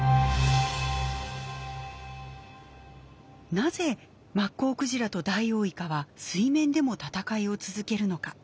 なぜマッコウクジラとダイオウイカは水面でも闘いを続けるのか。